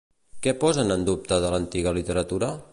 Què posen en dubte de l'antiga literatura?